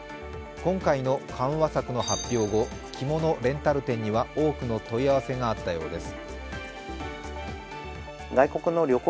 今回の緩和策の発表後、着物レンタル店には多くの問い合わせがあったようです。